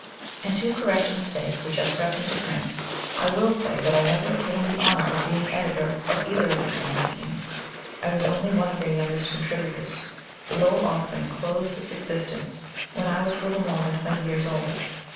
(And to correct a mistake which has crept into print I will say that I never attained the honor of being editor of either of these magazines. I was only one of their youngest contributors. The "Lowell Offering" closed its existence when I was a little more than twenty years old.